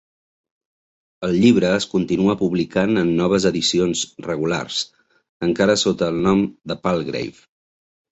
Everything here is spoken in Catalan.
El llibre es continua publicant en noves edicions regulars; encara sota el nom de Palgrave.